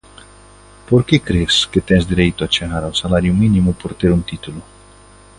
Porque, cres que tes dereito a chegar ao salario mínimo por ter un título?